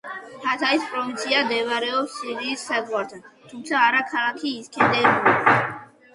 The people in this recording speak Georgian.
ჰათაის პროვინცია მდებარეობს სირიის საზღვართან, თუმცა არა ქალაქი ისქენდერუნი.